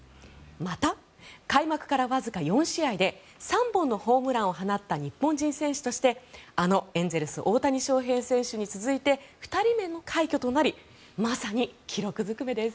また開幕からわずか４試合で３本のホームランを放った日本人選手としてあのエンゼルス大谷翔平選手に続いて２人目の快挙となりまさに記録ずくめです。